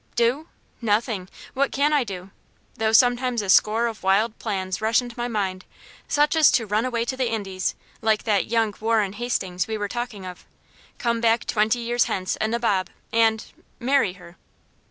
"Do? Nothing! What can I do? Though sometimes a score of wild plans rush into my mind, such as to run away to the Indies, like that young Warren Hastings we were talking of, come back twenty years hence a nabob, and marry her."